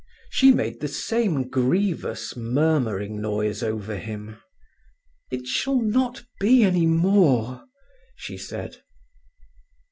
She made the same grievous murmuring noise over him. "It shall not be any more," she said.